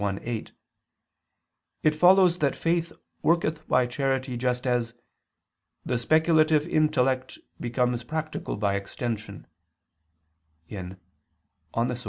i, 8), it follows that faith worketh by charity just as "the speculative intellect becomes practical by extension" (De Anima iii, 10).